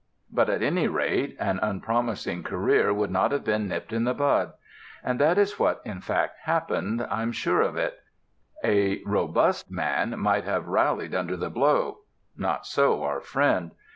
But at any rate an unpromising career would not have been nipped in the bud. And that is what in fact happened, I'm sure of it. A robust man might have rallied under the blow. Not so our friend.